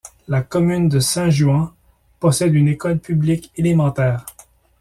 La commune de Saint-Juan possède une école publique élémentaire.